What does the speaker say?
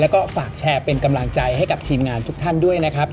แล้วก็ฝากแชร์เป็นกำลังใจให้กับทีมงานทุกท่านด้วยนะครับ